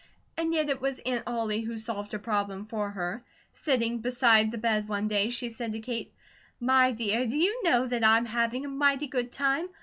And yet it was Aunt Ollie who solved her problem for her. Sitting beside the bed one day she said to Kate: "My dear, do you know that I'm having a mighty good time?